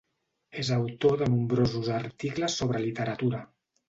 És autor de nombrosos articles sobre literatura.